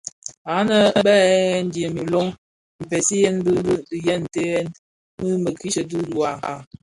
Anë bé ghèn ghèn dièm iloh mpeziyen dhiyèm ntëghèn mikrighe dhi duwa.